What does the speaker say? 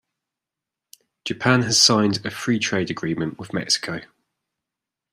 Japan has signed a Free Trade Agreement with Mexico.